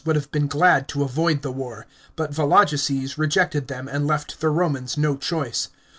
541 would have been glad to avoid the war ; but Vologeses rejected them, and left the Romans no choice.